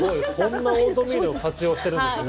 そんなオートミールを活用してるんですね。